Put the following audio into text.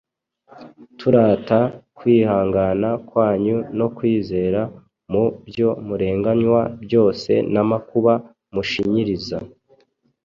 turata kwihangana kwanyu no kwizera mu byo murenganywa byose n’amakuba mushinyiriza